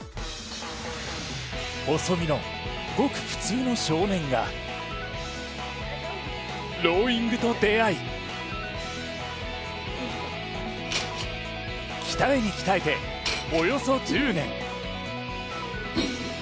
細身のごく普通の少年がローイングと出会い鍛えに鍛えておよそ１０年。